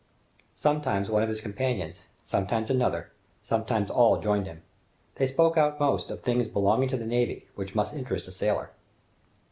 Sometimes one of his companions, sometimes another, sometimes all joined him. They spoke most often of things belonging to the navy, which must interest a sailor.